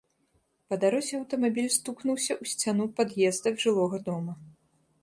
Па дарозе аўтамабіль стукнуўся ў сцяну пад'езда жылога дома.